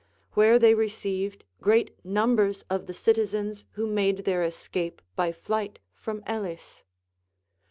Avhere tbey received great numbers of the citizens who made their escape by flight from Elis.